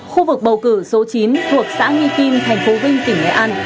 khu vực bầu cử số chín thuộc xã nghi kim thành phố vinh tỉnh nghệ an